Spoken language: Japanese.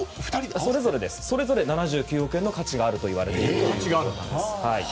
それぞれ７９億円の価値があるといわれています。